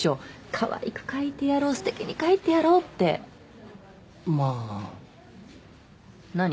かわいく描いてやろうすてきに描いてやろうってまあ何？